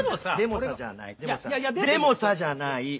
「でもさ」じゃない。